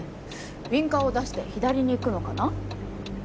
ウィンカーを出して左に行くのかな？